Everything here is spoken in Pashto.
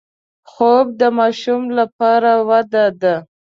خوب د ماشوم لپاره وده ده